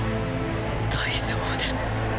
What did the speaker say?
大丈夫です。